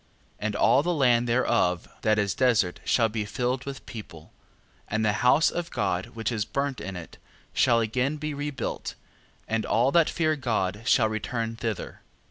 14:7. And all the land thereof that is desert shall be filled with people, and the house of God which is burnt in it, shall again be rebuilt: and all that fear God shall return thither.